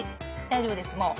大丈夫ですもう。